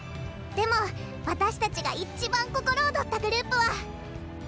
でも私たちが一番心踊ったグループは。